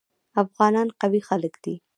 افغانان قوي خلک دي.